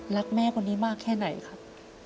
รักแม่คนนี้มากแค่ไหนครับ